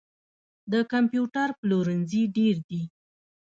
د کمپیوټر پلورنځي ډیر دي